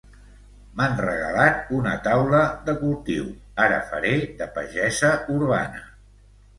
M'han regalat una taula de cultiu, ara faré de pagesa urbana